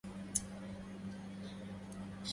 لنا ذهب بواتقه الكؤوس